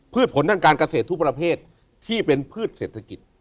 ผลทางการเกษตรทุกประเภทที่เป็นพืชเศรษฐกิจ